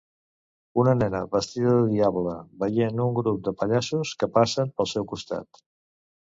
Una nena vestida de diable veient un grup de pallassos que passen pel seu costat.